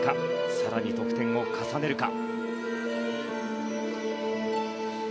更に得点を重ねるか。